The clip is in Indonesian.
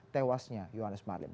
tewasnya johannes marlim